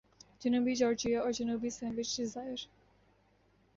جنوبی جارجیا اور جنوبی سینڈوچ جزائر